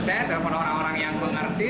saya telepon orang orang yang mengerti